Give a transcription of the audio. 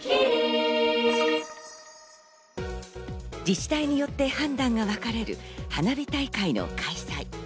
自治体によって判断が分かれる花火大会の開催。